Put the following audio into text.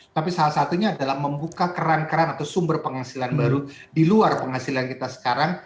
tapi salah satunya adalah membuka keran keran atau sumber penghasilan baru di luar penghasilan kita sekarang